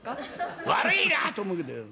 悪いな！と思うけどよ。